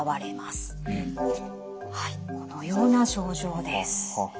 はいこのような症状です。